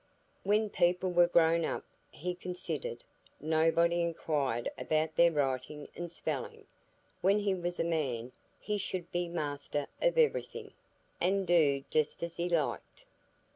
When people were grown up, he considered, nobody inquired about their writing and spelling; when he was a man, he should be master of everything, and do just as he liked.